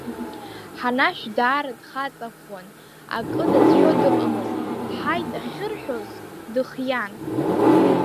Ҳанашә даара дхаҵа ӷәӷәан, акы дацәшәо дыҟамызт, ҳаит ахьырҳәоз, дыхиан.